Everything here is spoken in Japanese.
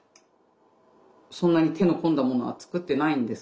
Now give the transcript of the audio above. そんなに手の込んだものは作ってないんですけど。